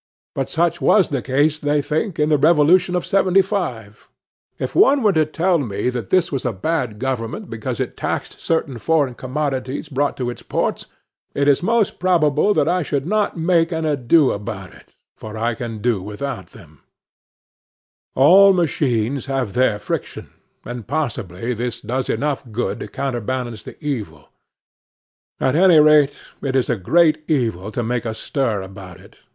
But such was the case, they think, in the Revolution of '75. If one were to tell me that this was a bad government because it taxed certain foreign commodities brought to its ports, it is most probable that I should not make an ado about it, for I can do without them: all machines have their friction; and possibly this does enough good to counter balance the evil. At any rate, it is a great evil to make a stir about it.